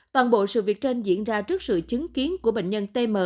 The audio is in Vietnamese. toàn bộ sự việc trên diễn ra trước sự chứng kiến của bệnh nhân tm